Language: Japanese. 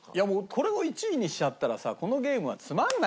これを１位にしちゃったらさこのゲームはつまらないんだよ。